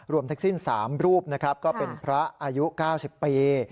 ทั้งสิ้น๓รูปนะครับก็เป็นพระอายุ๙๐ปี